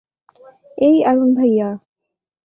এই, আরুন ভাইয়া।